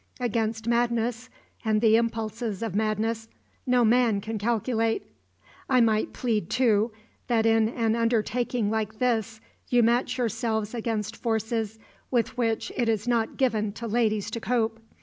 Against madness, and the impulses of madness, no man can calculate. I might plead, too, that in an undertaking like this you match yourselves against forces with which it is not given to ladies to cope.